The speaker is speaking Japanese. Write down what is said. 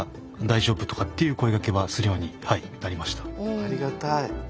ありがたい。